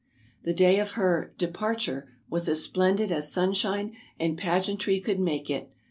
The day of her " departure was as splen did as sunshine and pageantry could make it.